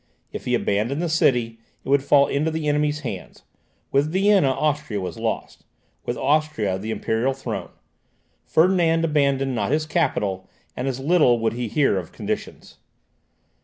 If he abandoned the city, it would fall into the enemy's hands; with Vienna, Austria was lost; with Austria, the imperial throne. Ferdinand abandoned not his capital, and as little would he hear of conditions.